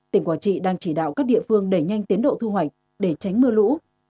tỉnh quảng trị đang chỉ đạo các địa phương đẩy nhanh tiến độ thu hoạch để tránh mưa lũ